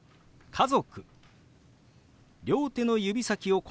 「家族」。